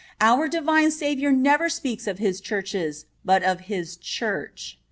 Our Divine Saviour never speaks of His Churches, but of His Church.